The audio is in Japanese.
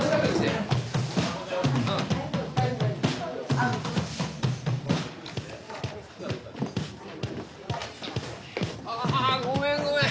ああごめんごめん。